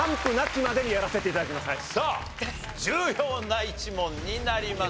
さあ重要な１問になります。